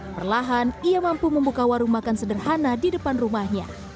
perlahan ia mampu membuka warung makan sederhana di depan rumahnya